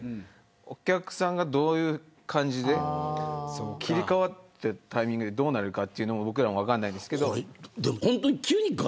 お客さんが、どういう感じで切り替わるタイミングでどうなるかというのも僕らも分かんないんですけど。